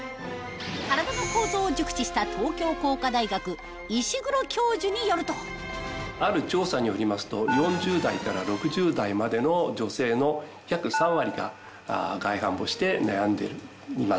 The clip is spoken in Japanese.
体の構造を熟知した東京工科大学石黒教授によるとある調査によりますと４０代から６０代までの女性の約３割が外反母趾で悩んでいます。